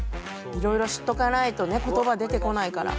いろいろ知っとかないとね言葉出てこないから。